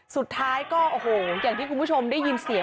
สุดท้ายก็โอ้โหอย่างที่คุณผู้ชมได้ยินเสียง